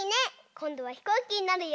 こんどはひこうきになるよ！